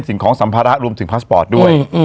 สิ่งของสัมภาระรวมถึงพาสปอร์ตด้วย